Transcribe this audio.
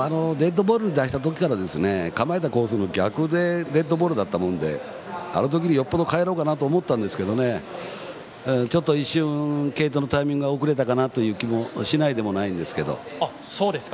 デッドボール出したときから構えたコースと逆でデッドボールだったのであのときによっぽど代えようかなと思ったんですけど一瞬、継投のタイミング遅れたかなという気もしないでもないんですけど。